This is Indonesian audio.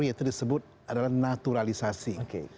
yaitu disebut adalah naturalisasi